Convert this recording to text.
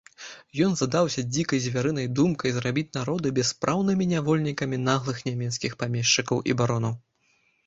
Ён задаўся дзікай звярынай думкай зрабіць народы бяспраўнымі нявольнікамі наглых нямецкіх памешчыкаў і баронаў.